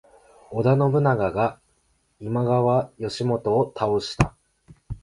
織田信長が今川義元を倒した。